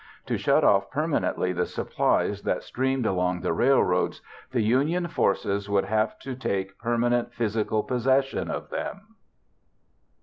To shut off permanently the supplies that streamed along the railroads, the Union forces would have to take permanent physical possession of them.